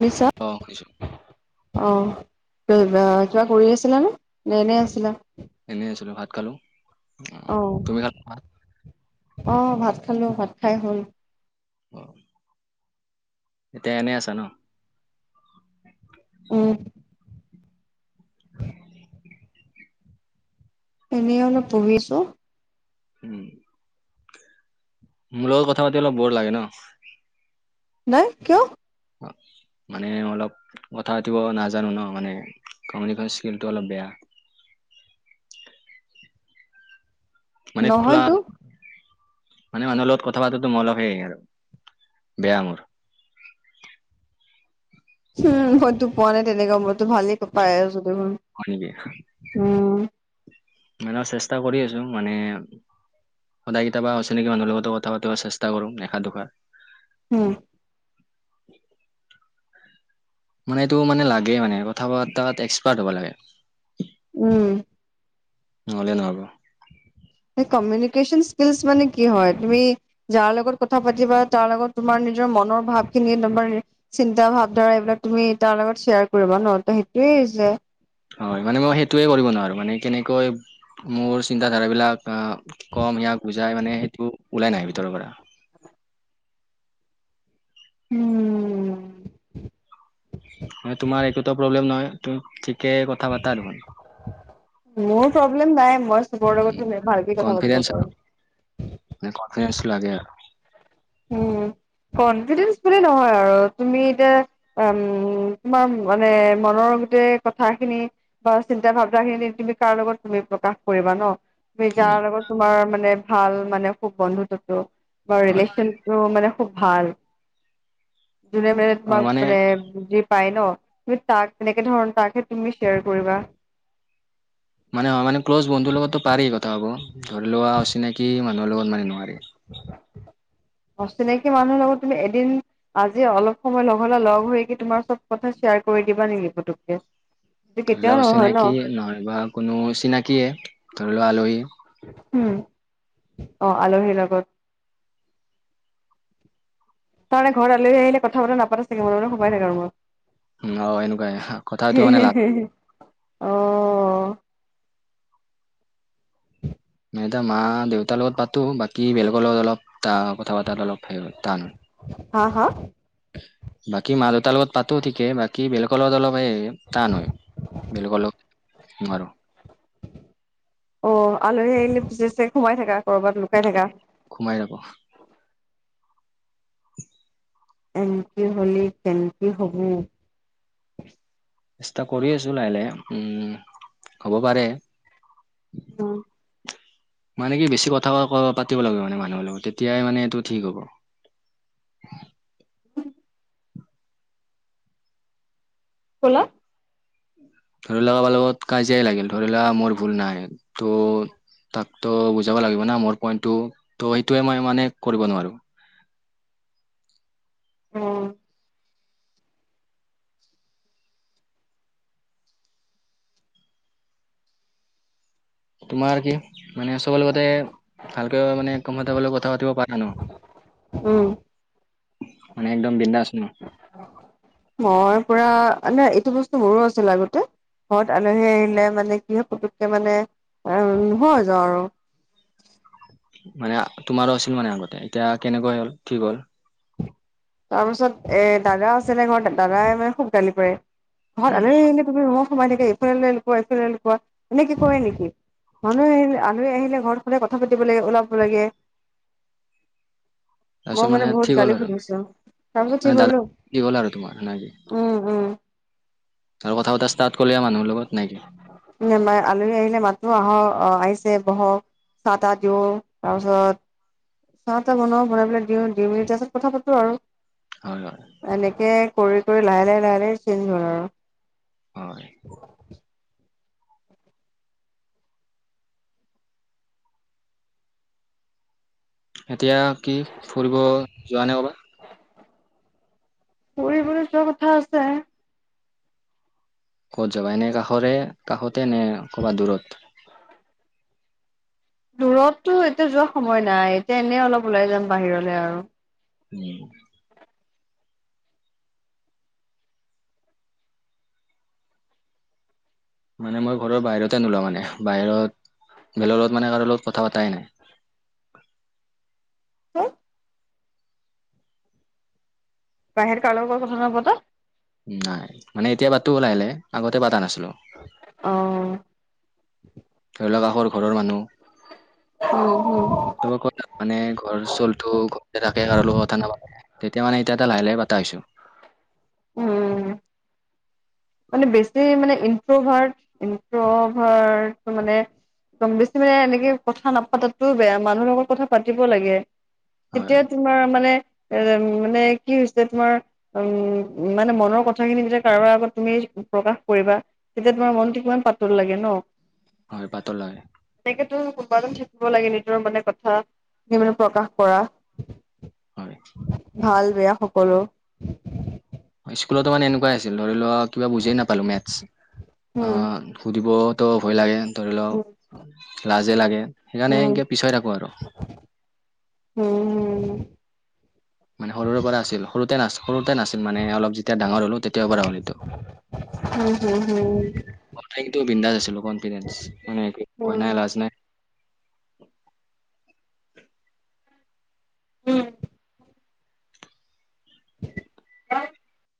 শুনিছা? অ' খুইছো। অ' কিবা কৰি আছিলা নে নে এনে আছিলা। এনেই আছিলো, ভাত খালো। অ আহ, তুমি খালা ভাত আহ ভাত খালো, ভাত খাই হ'ল। অ' এতিয়া এনেই আছা ন। উম। [unintelligible] এনেই বহিছো। উম। মোৰ লগত কথা পাতিব অলপ বৰ লাগে ন। নাই, কিয়? মানে অলপ কথা পাতিব নাজানো ন মানে। কামনি কোৱা স্কেলটো অলপ বেয়া। মানে খোলা। নহয়তো। মানে মানুহৰ লগত কথা পাতাতো মোৰ অলপ হেই আৰু বেয়া মোৰ। উম, ময়তো পোৱা নাই তেনেকুৱা মই। টো ভালেই পাই আছো দেখোন হয় নেকি উম। মানে চেষ্টা কৰি আছো মানে। সদায় কেতিয়াবা অচিনাকি মানুহৰ লগতো কথা পাতিব চেষ্টা কৰো এশা দোশাৰ। উম। মানে এইটো মানে লাগে মানে কথা পাতাত এক্সপাৰ্ট হ'ব লাগে। উম। নহ'লে নহ'ব। সেই কমিনি স্কেলচ মানে কি হয়, তুমি যাৰ লগত কথা পাতিবা তাৰ লগত তোমাৰ। নিজৰ মনৰ ভাৱ খিনি একদমাৰ চিন্তা ভাৱ ধাৰা এইবিলাক তুমি তাৰ লগত শ্বেয়াৰ কৰিবা ন ত সেইটোৱে। এইযে। হয় মানে মই সেইটোৱে কৰিব নোৱাৰোঁ মানে কেনেকৈ মোৰ চিন্তাধাৰাবিলাক। বা কম সিয়াক বুজাই মানে সেইটো ওলাই নাহে ভিতৰৰ পৰা। উম। তোমাৰ একোতো প্ৰব্লেম নহয় তুমি ঠিকে কথা পাতা। মোৰ প্ৰব্লেম নাই, মই চবৰ লগত ভালকে কথা পাতিব পাৰো। কনফাৰেন্সৰ লাগে আৰু। উম। কনফিডেন্স বুলি নহয় আৰু তুমি এতিয়া উম তোমাৰ মানে মনৰ। কওতে কথা খিনি বা চিন্তা ভাৱনা খিনি তুমি কাৰ লগত তুমি প্ৰকাশ কৰিবা ন। যাৰ উম লগত তোমাৰ মানে ভাল মানে খুব বন্ধুত্বটো বা হয় ৰিলেচন। কোব ভাল যোনে মানে তোমাক মানে। পাই ন তুমি তাক তেনেকে ধৰণৰ তাকহে তুমি শ্বেয়াৰ কৰিবা। মানে হয় মানে ক্ল'জ বন্ধুৰ লগতো পাৰি কথা [unintelligible] ধৰি লোৱা অচিনাকি মানুহৰ লগত মানে নোৱাৰি। অচিনাকি মানুহৰ লগত তুমি এদিন আজি অলপ সময় লগ হ'লে লগ হৈ কি তোমাৰ চ'ব কথা শ্বেয়াৰ কৰি দিবা নেকি পুতুককে। সেইটো কেতিয়াও নহয় ন [unintelligible] নহয়বা কোনো চিনাকিয়ে ধৰি লোৱা আলহী। উম। অ', আলহীৰ লগত। তাৰ [unintelligible] ঘৰত আলহী আহিলে কথা বতৰা নাপাতা চাগে মনে মনে সোমাই থাকা ৰুমত। অঁ, এনকুৱায়ে। কথাটো মানে [unintelligible] অঁ। নে এতিয়া মা দেউতাৰ লগত পাতো, বাকী বেলেগৰ লগত অলপ কথা বতাত অলপ টান হয়। হা, হা? বাকী মা দেউতাৰ লগত পাতো ঠিকে, বাকী বেলেগৰ লগত অলপ হ টান হয়। বলগৰ লগ, নোৱাৰো। অঁ, আলহী আহিলে [unintelligible] সোমাই থাকা। কৰবাত লুকাই থাকা। সোমাই যাব এনকে হ'লে কেনকে হ'ব। চেষ্টা কৰি আছো লাহে লাহে। উম, হব পাৰে। উম। মানে কি বেছি কথা কো, পাতিব লাগিব মানে মানুহৰ লগত, তেতিয়াই মানে এইটো ঠিক হ'ব। [inaudible] ক'লা। ধৰি লোৱা কাৰবাৰ লগত কাজিয়াই লাগিল, ধৰি লোৱা মোৰ ভুল নাই ত' তাকতো বুজাব লাগিব না মোৰ পইন্টটো। ত' সেইটোৱে মই মানে কৰিব নোৱাৰো। উম। তোমাৰ কি? মানে চবৰ লগতে ভালকে মানে কম্ফৰ্তেবুল হৈ কথা পাতিব পাৰা ন'? উম। মানে একদম বিন্দাছ ন'? মই পুৰা, নাই এইটো বস্তু মোৰো আছিল আগতে। ঘৰত আলহী আহিলে মানে কি হয় পুটোককে মানে আহ [unintelligible] হৈ যাওঁ আৰু। [inaudible] মানে তোমাৰো আছিল মানে আগতে? এতিয়া কেনেকৈ হ'ল, ঠিক হ'ল? তাৰপিছত এ দাদা আছিলে ঘৰত, দাদাই মানে খুব গালি পাৰে। ঘৰত উম আলহী আহিলে তুমি ৰুমত সোমাই থাকা, এইফাল লকুৱোৱা এইফালে লকুৱোৱা এনেকে কৰে নেকি। মানুহ আহিল, আলহী আহিলে ঘৰত সদায় কথা পাতিব লাগে, ওলাব লাগে। তাৰপিছত মই মানে ঠিক বহুত হ'ল গালি আৰু শুনিছো। তাৰ পিছত মানে ঠিক দাদা হলোঁ। কি হ'ল আৰু তোমাৰ নেকি উম, উম। আৰু কথা পতা ষ্টাৰ্ট কৰিলি মানুহৰ লগত, নে কি? উম আলহী আহিলে আহক মাতো আহ আহিছে, বহক, চাহ- তাহ দিওঁ, তাৰপিছত চাহ তাহ বনাও, বনাই পেলাই দিওঁ, দি মেলি তাৰ পিছত কথা পাতো হয় হয় আৰু। এনেকে কৰি কৰি লাহে লাহে লাহে লাহে চেঞ্জ হ'ল হয় আৰু। এতিয়া কি ফুৰিব যোৱা নে কৰবাত? [unintelligible] যোৱা কথা আছে। ক'ত যাবা? এনে কাষৰে, কাষতে নে ক'ৰবাত দূৰত? দূৰতটো এতিয়া যোৱা সময় নাই। এতিয়া এনেই অলপ ওলাই যাম বাহিৰলে আৰু। উম। মানে মই ঘৰৰ বাহিৰতে নোলাওঁ মানে। বাহিৰত বেলেগৰ লগত মানে কাৰো লগত কথা পাতাই নাই। হম? বাহিৰত কাৰো লগ [unintelligible] কথা নাপাতা? নাই। মানে এতিয়া পাটো লাহে লাহে, আগতে পাতা নাছিলো। অ উম [unintelligible] ঘৰৰ মানুহ। অ ত ক মানে ঘৰ চলটো ঘৰতে থাকে আৰু লগ কথা নাপাব তেতিয়া মানে এতিয়া এটা লাহে লাহে পতা হৈছো উম মানে বেছি মানে ইনফ্ৰ'ভাৰ্ট ইনফ্ৰ'ভাৰট মানে একদম বেছি মে এনেকে কথা নাপাতাটোও বেয়া মানুহৰ লগত কথা পাতিব লাগে হয় এতিয়া তোমাৰ মানে এ মানে কি হৈছে তোমাৰ উম মানে মনৰ কথাখিনি যেতিয়া কাৰোবাৰ আগত তুমি প্ৰকাশ কৰিবা তেতিয়া তোমাৰ মনটো কিমান পাতল লাগে ন হয় পাতল হয় তেকেত কবাদ লাগে নিজৰ মানে কথা স মানে প্ৰকাশ কৰা হয় ভাল বেয়া সকলো স্কুলতো মানে এনেকুৱাই আছিল ধৰি লোৱা কিবা বুজি নাপালো উম মেতছ্ দিবতো ভয় লাগে ধৰি উম লওক লাজে লাগে সেইকাৰণে উম এনকে পিছাই থাকো আৰু উম উম মানে সৰুৰে পৰা আছিল সৰুতে নাচ সৰুতে নাছিল মানে অলপ যেতিয়া ডাঙৰ হলো তেতিয়াও পৰা হলিতটো উম সৰুতে বিন্দাজ আছিলো কনফিডেঞ্চ মানে এক উম হোৱা নাই লাজ উম নাই উম ক